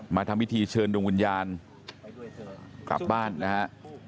ทำพิธีเชิญดวงวิญญาณกลับบ้านนะฮะ